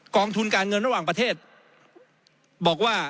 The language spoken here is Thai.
ทุนการเงินระหว่างประเทศบอกว่า